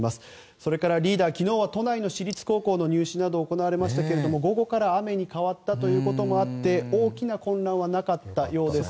それから、リーダー昨日は都内の私立高校の入試などが行われましたが午後から雨に変わったこともあり大きな混乱はなかったようです。